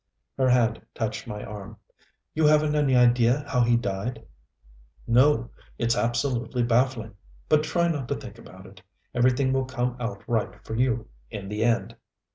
Her hand touched my arm. "You haven't any idea how he died?" "No. It's absolutely baffling. But try not to think about it. Everything will come out right for you, in the end."